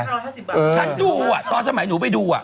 ฉันดูอ่ะตอนสมัยหนูไปดูอ่ะ